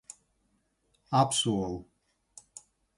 Apsolu.